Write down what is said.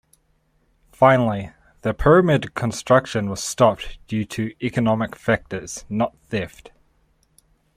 Finally, the pyramid construction was stopped due to economic factors, not theft.